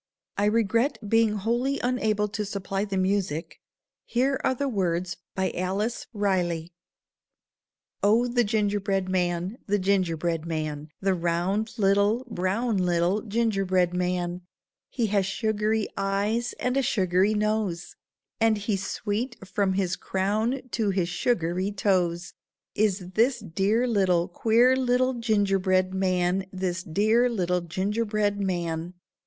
I regret being wholly unable to supply the music. Here are the words by Alice Riley: "Oh the ginger bread man, the ginger bread man, The round little, brown little ginger bread man, He has sugary eyes and a sugary nose, And he's sweet from his crown to his sugary toes, Is this dear little, queer little ginger bread man, This dear little ginger bread man.